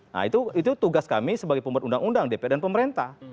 nah itu tugas kami sebagai pembuat undang undang dpr dan pemerintah